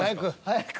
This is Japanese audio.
「早く」。